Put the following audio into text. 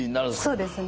そうですね。